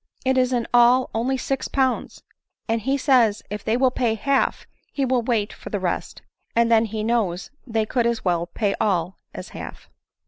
It is in all only six pounds ; and he says if they will pay half he will wait for the rest ; but then he knows they could as well pay all as half."